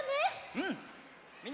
うん！